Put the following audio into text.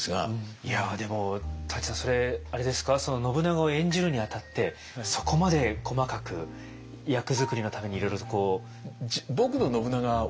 いやでも舘さんそれあれですか信長を演じるにあたってそこまで細かく役作りのためにいろいろとこう。